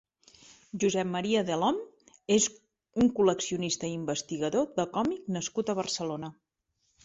Josep Maria Delhom és un col·leccionista i investigador de còmic nascut a Barcelona.